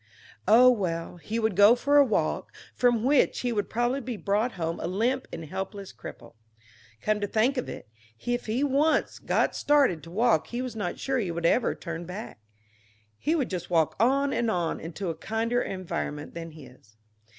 Oh, well, he would go for a walk, from which he would probably be brought home a limp and helpless cripple. Come to think of it, if he once got started to walk he was not sure he would ever turn back; he would just walk on and on into a kinder environment than this.